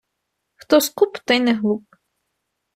Хто скуп, той не глуп.